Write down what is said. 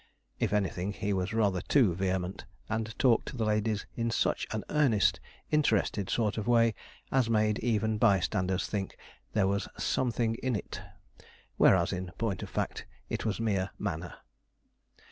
If anything, he was rather too vehement, and talked to the ladies in such an earnest, interested sort of way, as made even bystanders think there was 'something in it,' whereas, in point of fact, it was mere manner.